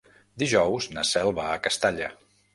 Dijous na Cel va a Castalla.